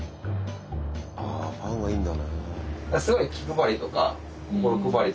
あファンがいんだね。